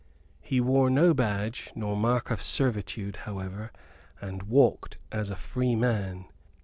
He wore no badge nor mark of servitude, however, and walked as a free man.